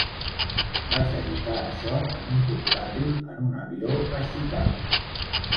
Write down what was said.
Vaig editar això en un portàtil en un avió a Chicago.